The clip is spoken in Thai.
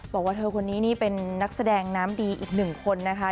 บอกว่าเธอคนนี้นี่เป็นนักแสดงน้ำดีอีกหนึ่งคนนะคะ